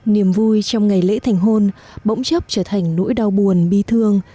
niềm vui trong ngày lễ thành hôn bỗng chốc trở thành nỗi đau buồn bi thương